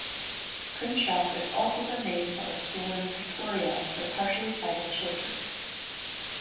Prinshof is also the name of a school in Pretoria for partially sighted children.